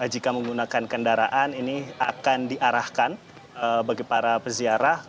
jika menggunakan kendaraan ini akan diarahkan bagi para peziarah